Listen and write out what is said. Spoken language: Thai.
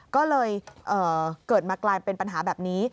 ก็เลยเกิดมากลายเป็นปัญหาแบบนี้